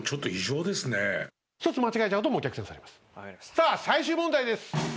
さあ最終問題です。